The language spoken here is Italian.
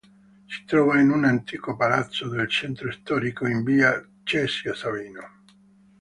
Si trova in un antico palazzo del centro storico, in via Cesio Sabino.